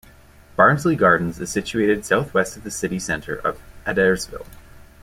Barnsley Gardens is situated southwest of the city center of Adairsville.